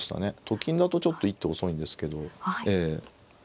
と金だとちょっと一手遅いんですけど。